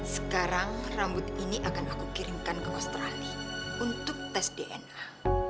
sekarang rambut ini akan aku kirimkan ke australia untuk tes dna